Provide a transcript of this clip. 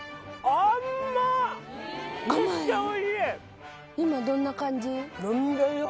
めっちゃおいしい！